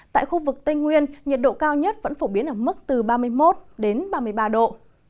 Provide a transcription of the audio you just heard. tại khu vực tây nguyên nhiệt độ cao nhất vẫn phổ biến ở mức từ ba mươi một ba mươi ba độ